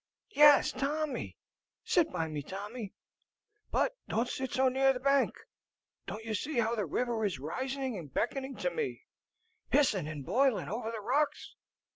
yes, Tommy! Sit by me, Tommy. But don't sit so near the bank. Don't you see how the river is rising and beckoning to me, hissing, and boilin' over the rocks?